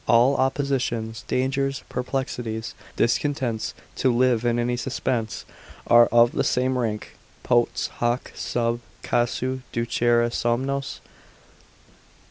All oppositions, dangers, perplexities, discontents, to live in any suspense, are of the same rank: potes hoc sub casu ducere somnos?